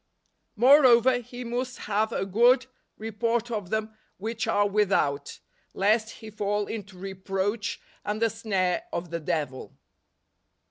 " Moreover, he must have a good report of them which are without; lest he fall into reproach and the snare of the devil."